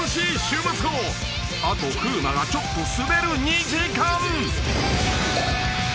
［あと風磨がちょっとスベる２時間］